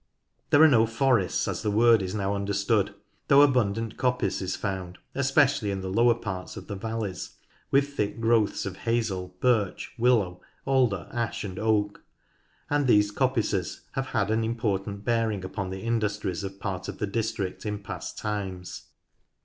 There are no forests, as the word is now understood, though abundant coppice is found, especially in the GENERAL CHARACTERISTICS 13 lower parts of the valleys, with thick growths of hazel, birch, willow, alder, ash, and oak, and these coppices have had an important bearing upon the industries of part of the district in past times.